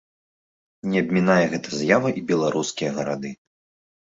Не абмінае гэта з'ява і беларускія гарады.